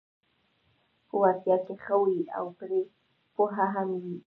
په وړتیا کې ښه وي او پرې پوه هم وي: